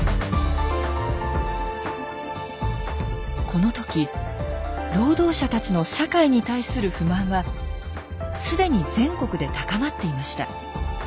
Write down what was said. この時労働者たちの社会に対する不満は既に全国で高まっていました。